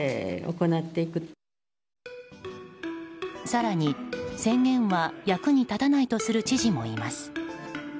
更に、宣言は役に立たないとする知事もいます。